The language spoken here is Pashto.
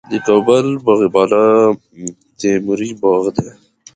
د کابل باغ بالا تیموري باغ دی